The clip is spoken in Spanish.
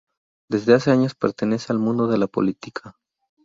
Desde hace años pertenece al mundo de la política.